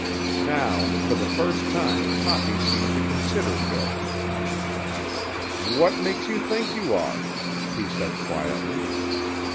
Now for the first time Toppy seemed to consider Bill. "What makes you think you are?" he said quietly.